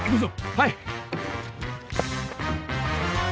はい。